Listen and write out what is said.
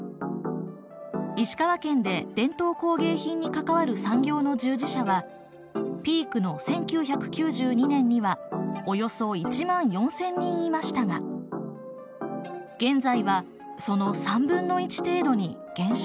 石川県で伝統工芸品に関わる産業の従事者はピークの１９９２年にはおよそ１４，０００人いましたが現在はその３分の１程度に減少しています。